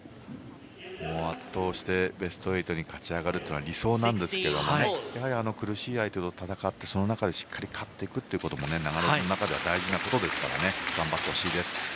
圧倒して、ベスト８に勝ち上がるのが理想ですがやはり苦しい相手と戦ってその中でしっかりと勝っていくということも大事ですから頑張ってほしいです。